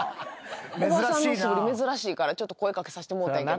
おばさんの素振り珍しいからちょっと声掛けさせてもうてんけど。